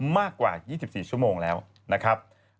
มากกว่า๒๔ชั่วโมงแล้วนะครับ